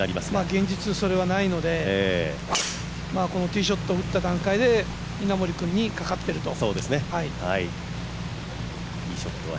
現実、それはないので、ティーショットを打った段階で稲森君にかかっていると。